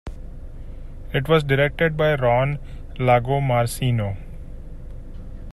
It was directed by Ron Lagomarsino.